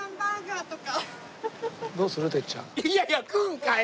いやいや食うんかい！